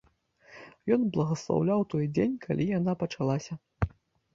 Ён благаслаўляў той дзень, калі яна пачалася.